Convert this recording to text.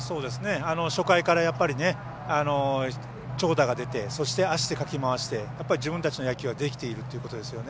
初回から長打が出て、足でかき回して自分たちの野球ができているということですよね。